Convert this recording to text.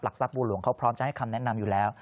หลักศักดิ์บูหลวงเขาพร้อมจะให้คำแนะนำอยู่แล้ว